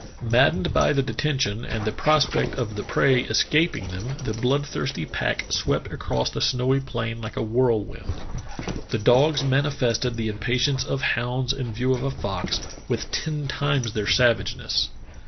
Maddened by the detention and the prospect of the prey escaping them, the blood thirsty pack swept across the snowy plain like a whirl wind. The dogs manifested the impatience of hounds in view of a fox, with ten times their savageness.